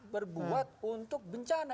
berbuat untuk bencana